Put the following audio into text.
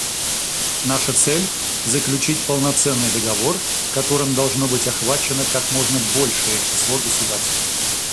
Наша цель — заключить полноценный договор, которым должно быть охвачено как можно большее число государств.